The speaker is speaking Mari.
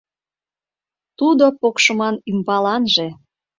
Тудо покшымын ӱмбаланже